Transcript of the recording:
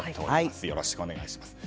よろしくお願いします。